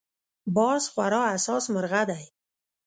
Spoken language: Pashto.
باز خورا حساس مرغه دی